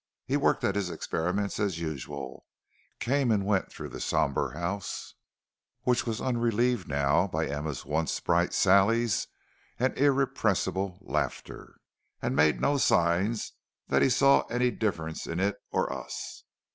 He worked at his experiments as usual, came and went through the sombre house, which was unrelieved now by Emma's once bright sallies and irrepressible laughter, and made no sign that he saw any difference in it or us.